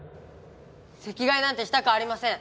席替えなんてしたくありません！